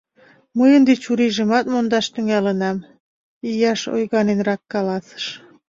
— Мый ынде чурийжымат мондаш тӱҥалынам, — Ийаш ойганенрак каласыш.